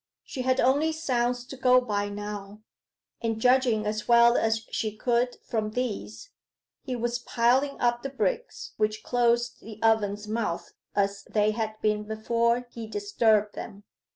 She had only sounds to go by now, and, judging as well as she could from these, he was piling up the bricks which closed the oven's mouth as they had been before he disturbed them.